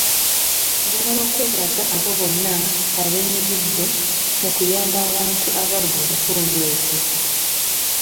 Njagala okwebaza abo bonna ebenyigidde mu kuyamba abantu abali mu bitundu ebyo.